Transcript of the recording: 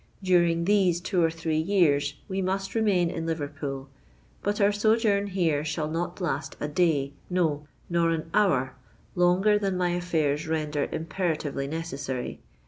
During these two or three years we must remain in Liverpool: but our sojourn here shall not last a day—no, nor an hour longer than my affairs render imperatively necessary.